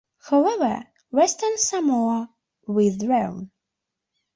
However, Western Samoa withdrew.